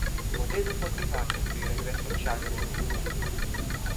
Votez împotriva acestui regres social de nedescris.